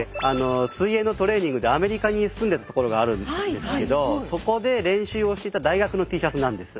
水泳のトレーニングでアメリカに住んでた頃があるんですけどそこで練習をしていた大学のＴシャツなんです。